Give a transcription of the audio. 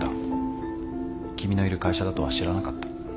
君のいる会社だとは知らなかった。